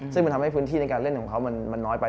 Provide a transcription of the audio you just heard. ซึ่งมันทำให้พื้นที่ในการเล่นของเขามันน้อยไป